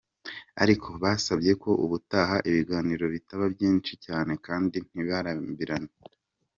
Ariko, basabye ko ubutaha ibiganiro bitaba byinshi cyane kandi ntibirambirane.